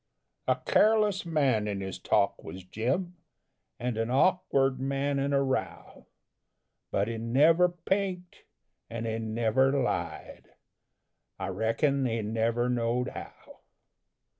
A careless man in his talk was Jim, And an awkward man in a row But he never pinked, and he never lied, I reckon he never knowed how.